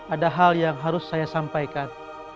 ada hal yang harus saya sampaikan